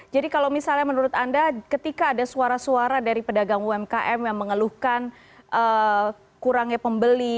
jadi kalau misalnya menurut anda ketika ada suara suara dari pedagang umkm yang mengeluhkan kurangnya pembeli